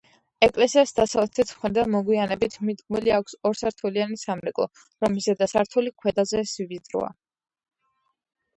ეკლესიას დასავლეთის მხრიდან მოგვიანებით მიდგმული აქვს ორსართულიანი სამრეკლო, რომლის ზედა სართული ქვედაზე ვიწროა.